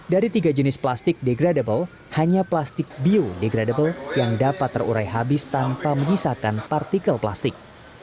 dari tiga jenis plastik degradable hanya plastik biodegradable yang dapat terurai habis tanpa menyisakan partikel plastik